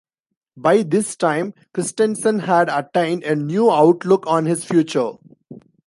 By this time, Christensen had attained a new outlook on his future.